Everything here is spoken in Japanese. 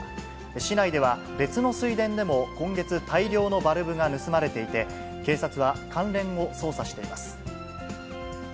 市内では別の水田でも今月、大量のバルブが盗まれていて、警察は、関連を捜査しています。